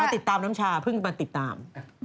ติดตามน้ำชาเพิ่งมาติดตาม